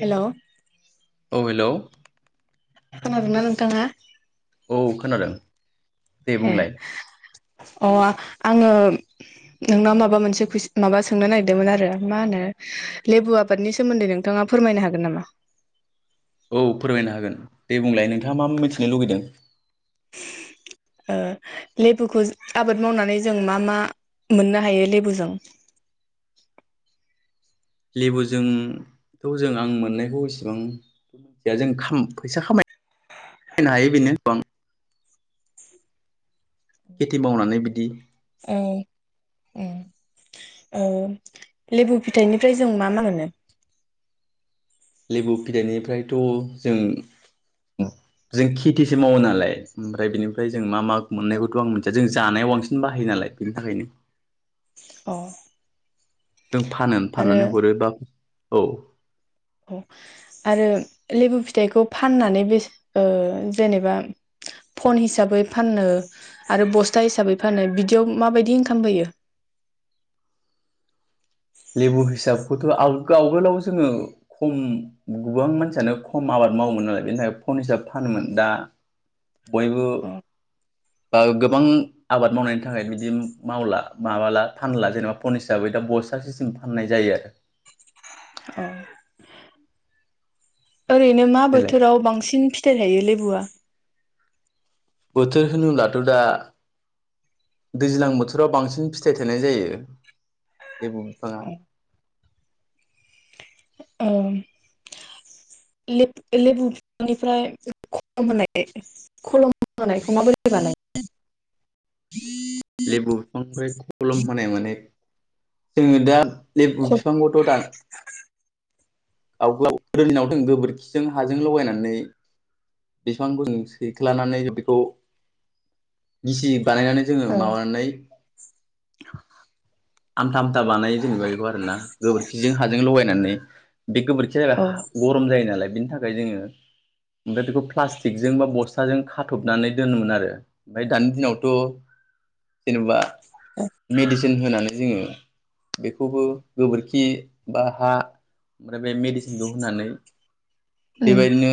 Hello औ हेल' खोनादोंना नोंथांआ। औ खोनादों दे ए बुंलाय। अ आङो नोंनाव माबा मोनसे कुइस माबा सोंनो नागिरदोंमोन आरो मा होनो लेबु आबादनि सोमोन्दै नोंथाङा फोरमायनो हागोन नामा? औ फोरमायनो हागोन दे बुंलाय नोंथाङा मा-मा मिथिनो लुुगैदों? ओ लेबुखौ आबाद मावनानै जों मा मा मोननो हायो लेबुजों? लेबुजोंथ' जों आं मोननायखौ एसेबां मिथिया जों खाम फैसा खाम खामायनो हायो बेनो [inaudible] खेथि मावनानै बिदि औ ओं ओ लेबु फिथाइनिफ्राय जों मा मा मोनो? लेबु फिथाइनिफ्रायथ' जों जों खेथिसो मावो नालाय ओमफ्राय बेनिफ्राय जों मा मा? मोननायखौथ' आं मोनथिया जों जानायाव बांसिन बाहायो नालाय बेनि थाखायनो। अ। जों फानो आरो फाननानै हरोबा औ। औ आरो लेबु फिथाइखौ फाननानै बे ओ जेनेबा फन हिसाबै फाननो आरो बस्था हिसाबै फाननो बिदियाव माबादि इनकाम फैयो? लेबु हिसाबखौथ' आव आावगोलाव जोङो खम गोबां मानसियानो खम आबाद मावोमोन नालाय बेनि थाखाय फन हिसाब फानोमोन दा बयबो अ गोबां आबाद मावनायनि थाखाय बिदि मावला माबाला फानला जेनेबा फन हिसाबै दा बस्था जों फाननाय जायो आरो अ ओरैनो मा देलाय बोथोराव बांसिन फिथाइ थायो लेबुआ? बोथोर होनोब्लाथ' दा दैज्लां बोथोराव बांसिन फिथाइ थनाय जायो लेबु बिफांआ ओ लेबुनिफ्राय होनाय ख होनायखौमाबोरै बानाय लेबु बिफांनिफ्राय खलम होनानाय माने जोङो दा लेबु बिफांखौथ' दान गाव गाव गोरिनाव दों गोबोरखिजों हाजों लगायनानै बिफांबो सैख्लानानै बेखौ निसि बानायनानै जोङो माबानै आमथा आमथा बानायो जेनेबा बेखौ आरोना गोबोरखिजों हाजों लगायनानै बे गोबोरखि जाबा औ हा गरम जायो नालाय बे थाखाय जोङो ओमफ्राय बेखौ प्लास्टिकजों बा बस्थाजों खाथबनानै दोनोमोन आरो ओमफ्राय दानि दिनावथ' जेनबा मेडिसिन होनानै जोङो बेखौबो गोबोरखि बा हा आरो बे मेडिसिनखौ होनानै उम बेबायदिनो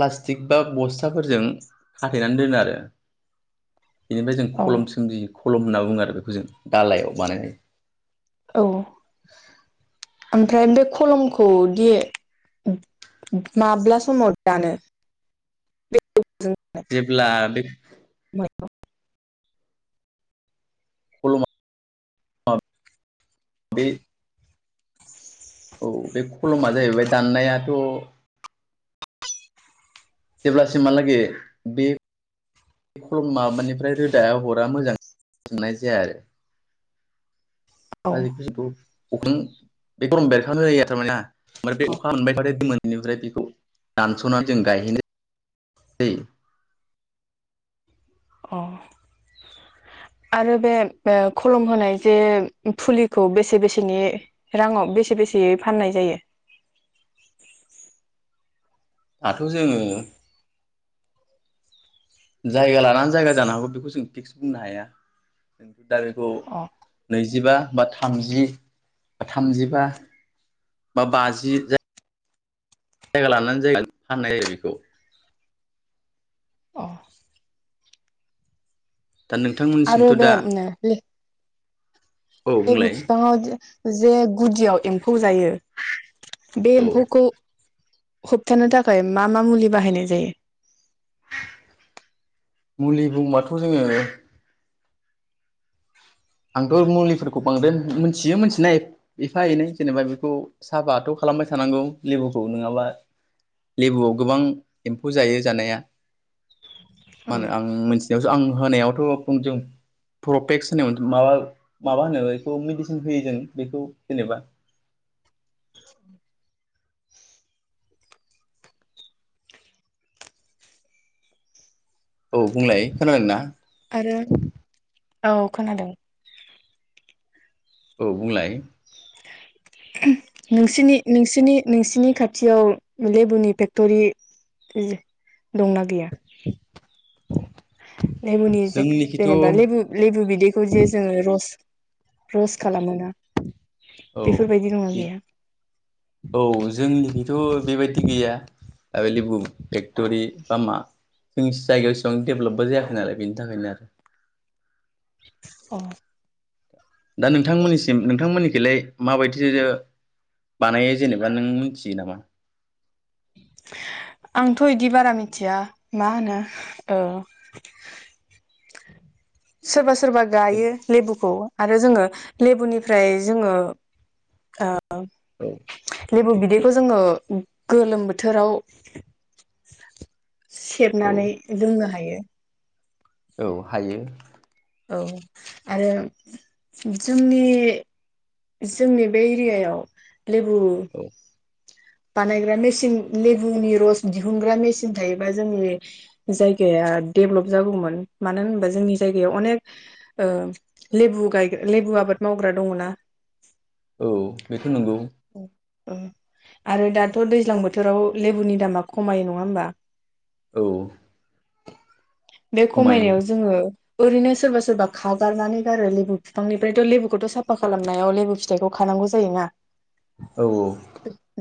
प्लास्टिक बा बस्थाफोरजों खाथेनानै दोनो आरो बेनिफ्राय जों औ खलम सोमजियो खलम होनना बुङो आरो बेखौ जों दालायाव बानायनाय औ ओमफ्राय बे खलमखौ दि माब्ला समाव दानो जेब्ला बेक [unintelligible] [unintelligible] औ बे खलमा जाहैबाय दाननायाथ' जेब्लासिहालागै बे खलम माबानिफ्राय रोदाया हरा मोजां सनाय जाया औ आरो [unintelligible] अखां एकदरम बेरखां जायो थारमान ना ओफ्राय बे अ अखा मोनबाय थ दि मोन बेनिफ्राय बेखौ दानस'नानै जों गायहैनो दै अ आरो बे खलम होनाय जे फुलिखौ बेसे बेसेनि राङाव बेसे बेसेै फाननाय जायो? दाथ' जोङो जायगा लानानै जायगा जानो हागौ बेखौ जों फिक्स बुंनो हाया दा बेखौ अ नैजिबा बा थामजि बा थामजिबा बा बाजि ज जायगा लानानै जायगा फाननाय जायो बेखौ अ दा आरो नोंथांमोननिसिमथ' बे दा औ लेबु बुंलाय बिफांआव जे गुदियाव एम्फौ म्फौ जायो बे औ एम्फौखौ होबथानो थाखाय मा मा मुलि बाहायनाय जायो? मुलि बुंबाथ' जोङो आंथ' मुलिफोरखौ बांद्राय मोनथियो मोनथिनाय एफा एनै जेनेबा बेखौ साफाथ' खालामबाय थानांगौ लेबुखौ नङाबा लेबुआव गोबां एम्फौ जायो जानाया मा होनो आं मोनथि आं होनायावथ' [unintelligible] प्रफेक्स होनाय माबा माबा होनो बेखौ मेडिसिन होयो जों बेखौ जेनेबा औ बुंलाय खोनादों ना आरो औ खोनादों औ बुंलाय नोंसिनि नोंसिनि नोंसिनि खाथियाव लेबुनि फेक्ट'रि ओ दंना गैया? लेबुनि जे जोंनिखिथ' जेनेबा लेबु लेबु बिदैखौ जे जोङो रस रस खालामो ना औ औ जोंनिखैथ' बेबायदि गैया। [unintelligible] लेबु फेक्ट'रि फ्रामा जोंनि जायगायाव एसिबां डेभेलपबो जायाखै नालाय बेनि थाखायनो आरो अ दा नोंथांमोननिसिम नोंथांमोननिखैलाय माबायदि बानायो जेनेबा नों मिनथियो नामा? आंथ' इदि बारा मिथिया मा होनो ओ सोरबा सोर सोरबा गायो लेबुखौ आरो जोङो लेबुनिफ्राय जोङो ओ औ लेबु बिदैखौ जोङो गोलोम बोथोराव औ सेबनानै लोंनो हायो। औ हायो। औ आरो जोंनि जोंनि बे एरियायाव लेबु औ बानायग्रा मेसिन लेबुनि रस दिहुनग्रा मेसिन थायोबा जोंनि जायगाया डेभलप जागौमोन मानो होनोबा जोंनि जायगायाव अनेक ओ लेबु गायगा लेबु आबाद मावग्रा दङ' ना। औ बे थ' नोंगौ ओ आरो दाथ' दैज्लां बोथोराव लेबुनि दामा खमायो नङा होमबा। औ बे खमायो खमायनायाव जोङो ओरैनो सोरबा सोरबा खावगारनानै गारो लेबु फिफांनिफ्रायथ' लेबुखौथ' साफा खालामनायाव लेबु फिथाइखौ खानांगौ जायो ना। औ औ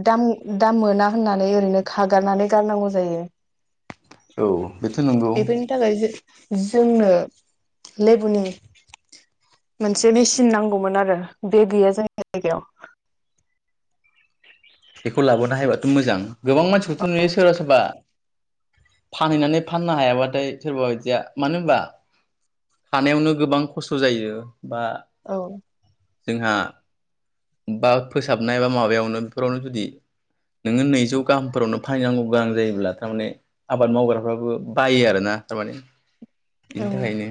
दाम दाम मोना होननानै ओरैनो खागारनानै गारनांगौ जायो। औ बेथ' नंगौ। बेफोरनि थाखाय जो जोंनो लेबुनि मोनसे मेचिन नांगौमोन आरो बे गैया जोंनि जायगायाव बेखौ लाबोनो हायोबाथ' मोजां गोबां मानसिखौथ' नुयो सोरबा सोरबा फानहैनानै फाननो हायाबाथाय सोरबा बायदिया मानो होनबा खानायावनो गोबां खस्थ' जायो बा औ जोंहा बा फोसाबनाय बा माबायावनो बेफोरावनो जुदि नोङो नैजौ गाहामफोरावनो फानैनांगौ गोनां जायोब्ला थारमाने आबाद मावग्राफ्राबो बायो आरोना थारमाने बिनि उम थाखायनो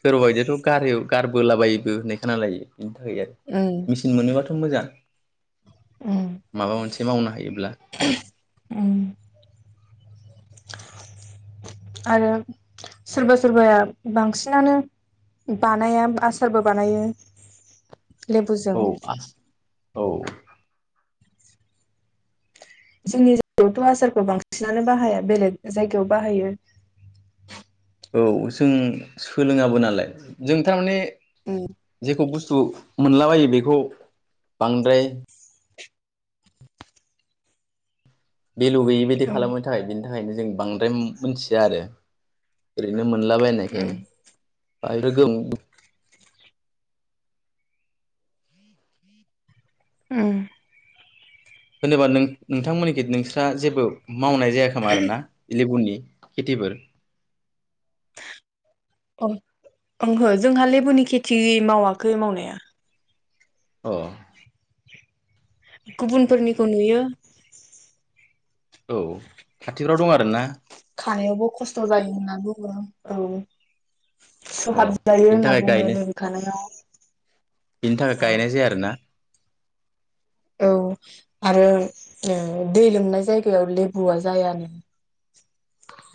सोरबा बायदियाथ' गारहै गारबोला बायोबो होननाय खोनालायो। बिनि थाखाय आरो मोनोबाथ' मोजां उम माबा मोनसे मावनो हायोब्ला उम आरो सोरबा सोरबाया बांसिनानो बानाया आसारबो बानायो औ लेबुजों औ जोंनि जायगायावथ' आसारखौ बांसिनानो बाहाया बेलेग जायगायाव बाहायो औ जों सोलोङाबो नालाय जों थारमाने उम जेखौ बुस थु मोनलाबायो बेखौ बांद्राय भेलु गैयै बायदि उम खालामनो थाखाय बेनि थाखायनो जों बांद्राय मोनथिया आरो ओरै नो मोनलाबायनायखायनो [unintelligible] उम होनोबा नों नोंथांमोननिखि नोंस्रा जेबो मावनाय जायाखोमा आरोना लेबुनि खिथिफोर अ ओंहो जोंहा लेबुनि खेथि मावाखै मावनाया। अ गुबुनफोरनिखौ नुयो। औ खाथिफ्राव दं आरोना। खानायावबो खस्थ' जायो होनना बुङो औ। सु अ हाबजायो बिनि होनना थाखाय बुङो गायनो लेबु खानायाव बिनि थाखाय गायनाय जाया आरोना। औ आरो ओ दै लोमनाय जायगायाव लेबुआ जायानो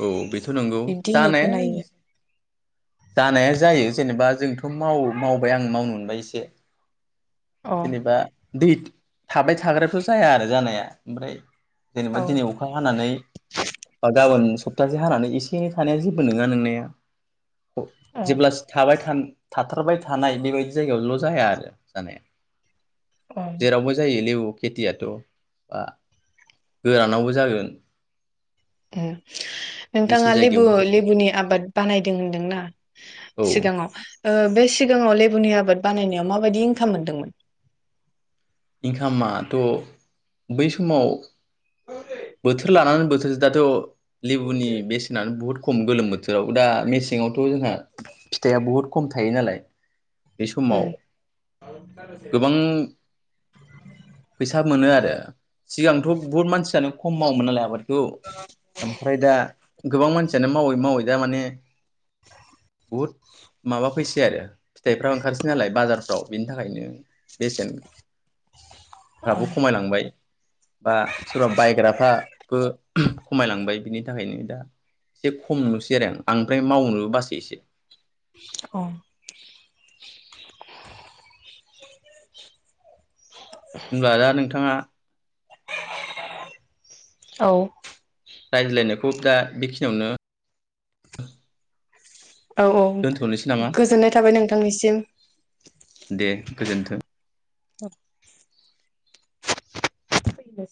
औ बि थ' नोंगौ बिब्दि होननाय जानाया खोनायो जानाया जायो जेनेबा जोंथ' माव मावबाय आं मावनो मोनबाय एसे औ जेनेबा दै थाबाय थाग्रायावथ जाया आरो जानाया ओमफ्राय अ जेनेबा दिनै अखा हानानै बा गाबोन सप्तासे हानानै एसे से थानाया जेबो नङा नोंनाया अ जेब्ला थाबाय था थाथारबाय थानाय बेबायदि जायगायावल' जाया आरो जानाया उम जेरावबो जायो लेबु खेथियाथ' बा गोरानावबो जागोन ओ गिसि नोंथाङा लेबु जायगायावबो जागोन लेबुनि आबाद बानायदों होनदोंना औ सिगाङाव ओ बे सिगाङाव लेबुनि आबाद बाना नायाव माबायदि इनकाम मोनदोंमोन? इनकामआ थ' बै समाव बोथोर लाना बोथोर दाथ' लेबुनि बेसेनानो बुहुद खम गोलोम बोथोराव दा मेसेंआवथ' जोंहा फिथाइआ बुहुद खम थायो नालाय बे समाव उम गोबां फैसा मोनो आरो सिगांथ' बहुत मानसियानो खम मावोमोन नालाय आबादखौ ओमफ्राय दा गोबां मानसियानो मावै मावै दा माने [inaudible] बहुद माबा फैसै आरो फिथाइफ्रा ओंखारसै नालाय बाजार फ्राव बिनि थाखायनो बेसेन अ फोराबो खमायलांबाय बा सोरबा बायग्राफ्रा बो खमायलांबाय बिनि थाखायनो दा एसे खम नुसै आरो आं आमफ्राय मावनोबो बासै एसे अ [inaudible] होनब्ला दा नोंथाङा औ रायज्लायनायखौ दा बे खिनियावनो औ औ गोजोननाय थाबाय नोंथांनिसिम दे गोजोन्थों औ फैनो